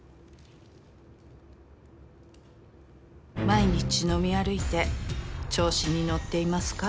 「毎日飲み歩いて、調子に乗っていますか。